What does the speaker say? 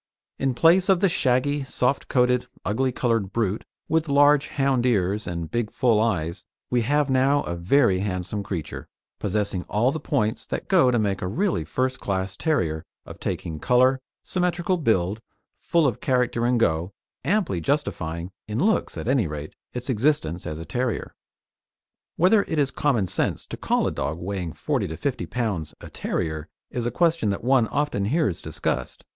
In place of the shaggy, soft coated, ugly coloured brute with large hound ears and big full eyes, we have now a very handsome creature, possessing all the points that go to make a really first class terrier of taking colour, symmetrical build, full of character and "go," amply justifying in looks, at any rate its existence as a terrier. Whether it is common sense to call a dog weighing 40 lb. to 50 lb. a terrier is a question that one often hears discussed.